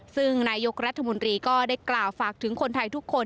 ซึ่งนายกรัฐมนตรีก็ได้กล่าวฝากถึงคนไทยทุกคน